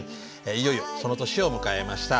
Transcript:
いよいよその年を迎えました。